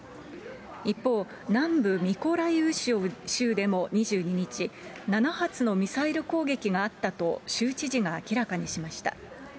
一方、南部ミコライウ州でも２２日、７発のミサイル攻撃があったと州知事が明らかにしました。